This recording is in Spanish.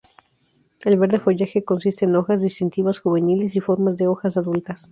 El verde follaje consiste en hojas distintivas juveniles y formas de hojas adultas.